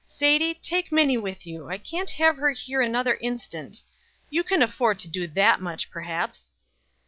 Sadie, take Minnie with you; I can't have her here another instant. You can afford to do that much, perhaps."